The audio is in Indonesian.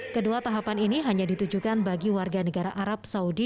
kedua tahapan ini hanya ditujukan bagi warga negara arab saudi